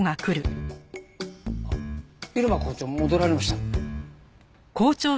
入間校長戻られました。